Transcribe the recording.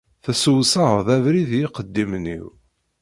Tessewsaɛeḍ abrid i yiqeddimen-iw.